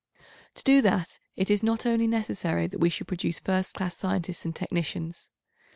To do that it is not only necessary that we should produce first class scientists and technicians.